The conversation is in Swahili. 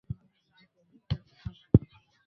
Kenya ilipata asilimia ya chini zaidi ya Sabini na saba